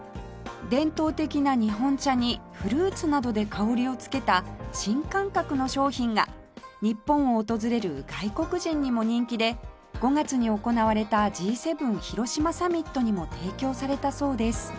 伝統的な日本茶にフルーツなどで香りをつけた新感覚の商品が日本を訪れる外国人にも人気で５月に行われた Ｇ７ 広島サミットにも提供されたそうです